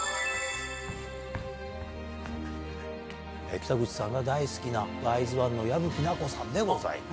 北口さんが大好きなアイズワンの矢吹奈子さんでございます。